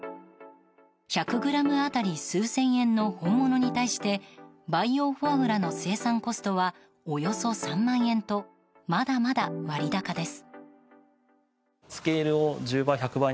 １００ｇ当たり数千円の本物に対して培養フォアグラの生産コストはおよそ３万円とまだまだ割高です。